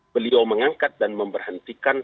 beliau mengangkat dan memberhentikan